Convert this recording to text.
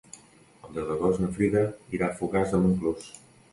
El deu d'agost na Frida irà a Fogars de Montclús.